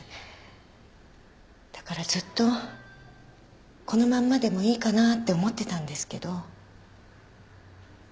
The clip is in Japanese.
だからずっとこのまんまでもいいかなって思ってたんですけど。